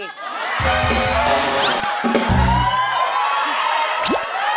ไม่ใช่